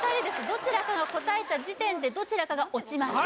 どちらかが答えた時点でどちらかが落ちます